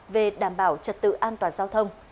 về đảm bảo trật tự an toàn giao thông